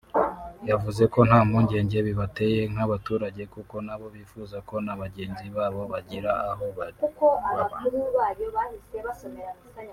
yavuzeko nta mpungenge bibateye nk’abaturage kuko nabo bifuza ko na bagenzi babo bagira aho baba